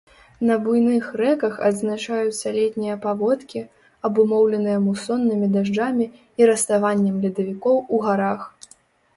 На буйных рэках адзначаюцца летнія паводкі, абумоўленыя мусоннымі дажджамі і раставаннем ледавікоў у гарах.